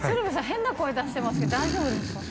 変な声出してますけど大丈夫ですか？